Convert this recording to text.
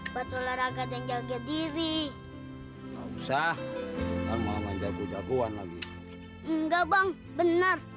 batu laraga dan jaga diri usah sama menjaga jaduan lagi enggak bang bener